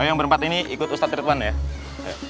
yang berempat ini ikut ustadz ridwan ya